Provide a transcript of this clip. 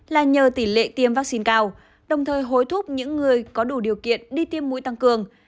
là nhờ tỷ lệ tiêm vaccine cao đồng thời hối thúc những người có đủ điều kiện đi tiêm mũi tăng cường